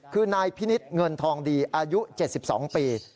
คือนายพินิษฐ์เงินทองดีอายุ๗๒ปี